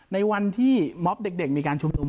ในวันที่มอบเด็กมีการชุมนุม